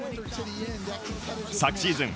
昨シーズン